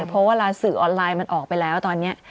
เพราะเวลาสื่อออนไลน์มันออกไปแล้วตอนนี้